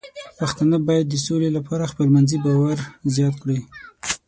پښتانه بايد د سولې لپاره خپلمنځي باور زیات کړي.